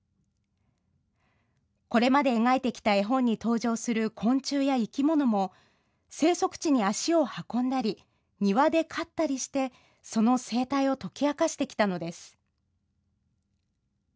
これまで描いてきた絵本に登場する昆虫や生き物も生息地に足を運んだり庭で飼ったりしてその生態を解き明かしてきたのです。